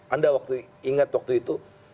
anda ingat waktu itu